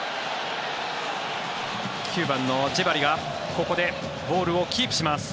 ９番のジェバリがここでボールをキープします